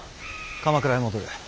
鎌倉へ戻る。